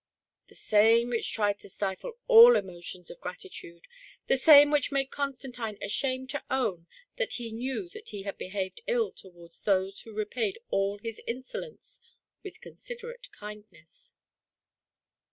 — the same which tried to stifle aU emotions of gratitude, the same which made Constantine ashamed to own that he knew that he had behaved ill towards those who repaid all his in solence with considerate kindness.